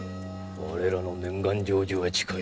我らの念願成就は近い。